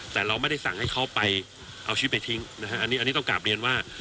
แต่เราไม่ได้สั่งให้เขาไปเอาชีวิตไปทิ้งนะฮะอันนี้อันนี้ต้องกลับเรียนว่า